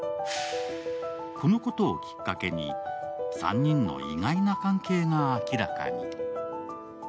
このことをきっかけに３人の意外な関係が明らかに。